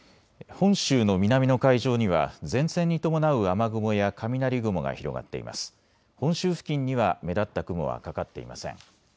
本州付近には目立った雲はかかっていません。